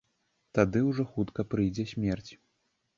Тады ўжо хутка прыйдзе смерць.